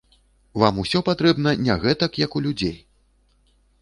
Вам усё патрэбна не гэтак, як у людзей.